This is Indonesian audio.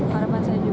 harapan saya juga